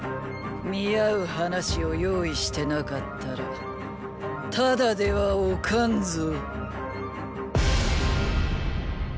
見合う話を用意してなかったらただではおかんぞ。